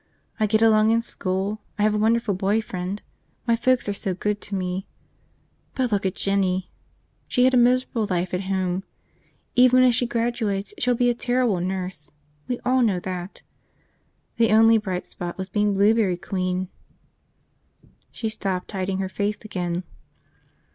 I get along in school, I have a wonderful boy friend, my folks are so good to me – but look at Jinny! She had a miserable life at home. Even if she graduates she'll be a terrible nurse, we all know that. The only bright spot was being Blueberry Queen. ..." She stopped, hiding her face again.